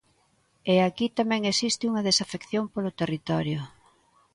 E aquí tamén existe unha desafección polo territorio.